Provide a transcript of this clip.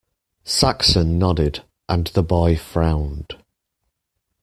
Saxon nodded, and the boy frowned.